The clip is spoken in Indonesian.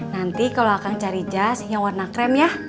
nanti kalau akan cari jas yang warna krem ya